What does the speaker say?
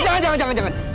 jangan jangan jangan